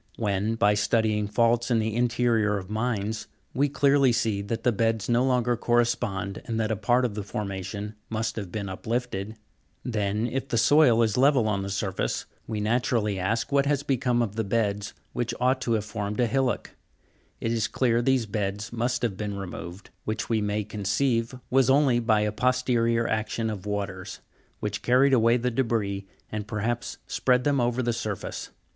When, by studying faults in the interior of mines, we clearly see that the beds no longer correspond, and that a part of the formation must have been uplifted (Jig. 289) ; then, if the soil, a, i, c, is level on the surface, Fig. 289. Fig. 290. we naturally ask what has become of the beds d and /, which ought to have formed a hillock between b and c. It is clear these beds must have been removed, which we may conceive was only by a posterior action of waters, which carried away the debris, and perhaps spread them over the surface.